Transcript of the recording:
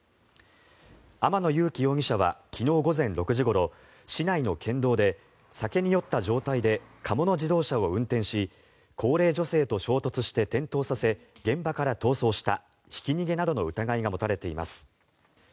天野裕樹容疑者は昨日午前６時ごろ市内の県道で、酒に酔った状態で貨物自動車を運転し高齢女性と衝突して転倒させ現場から逃走したひき逃げなどの疑いが持たれています。